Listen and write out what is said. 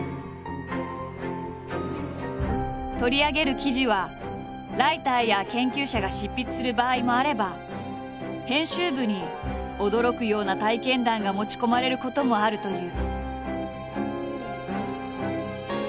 取り上げる記事はライターや研究者が執筆する場合もあれば編集部に驚くような体験談が持ち込まれることもあるという。